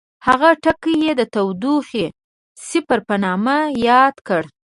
هغه ټکی یې د تودوخې صفر په نامه یاد کړ.